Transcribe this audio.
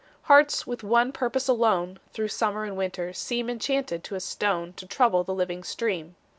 Hearts with one purpose alone Through summer and winter seem Enchanted to a stone To trouble the living stream.